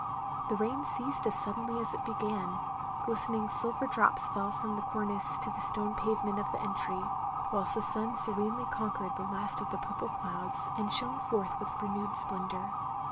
The rain ceased as suddenly as it began; glistening silver drops fell from the cornice to the stone pavement of the entry, whilst the sun 298 THE LONELY LADY serenely conquered the last of the purple clouds, and shone forth with renewed splendour.